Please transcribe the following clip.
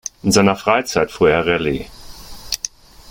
In seiner Freizeit fuhr er Rallye.